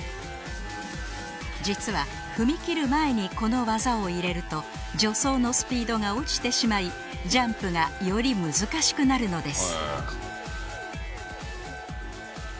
実は踏み切る前にこの技を入れると助走のスピードが落ちてしまいジャンプがより難しくなるのです